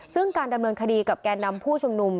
ซึ่งการดำเนินคดีกับแก่นำผู้ชุมนุม